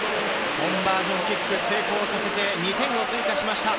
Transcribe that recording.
コンバージョンキックを成功させて２点を追加しました。